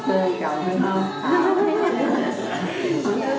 cậu yen không pontoon